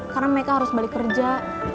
karena mereka harus balik kerja